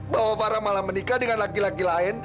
bahwa farah malah menikah dengan laki laki lain